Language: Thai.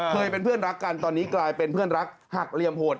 เคยเป็นเพื่อนรักกันตอนนี้กลายเป็นเพื่อนรักหักเหลี่ยมโหด